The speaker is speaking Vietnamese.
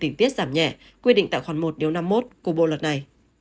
tính tiết giảm nhẹ quy định tại khoảng một năm mươi một của bộ luật này